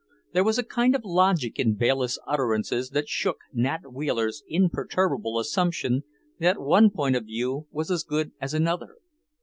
There was a kind of logic in Bayliss' utterances that shook Nat Wheeler's imperturbable assumption that one point of view was as good as another.